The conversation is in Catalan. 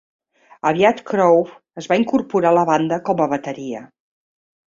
Aviat Croowe es va incorporar a la banda com a bateria.